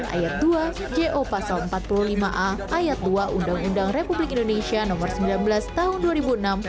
ayat dua jo pasal empat puluh lima a ayat dua undang undang republik indonesia nomor sembilan belas tahun dua ribu enam tentang